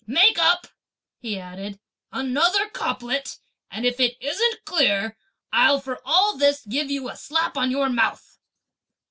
make up," he added, "another couplet, and if it isn't clear, I'll for all this give you a slap on your mouth."